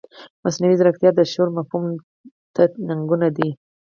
مصنوعي ځیرکتیا د شعور مفهوم ته ننګونه ده.